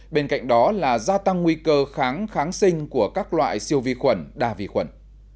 bên cạnh đó là gia tăng nguy cơ kháng kháng sinh của các loại siêu vi khuẩn đa vi khuẩn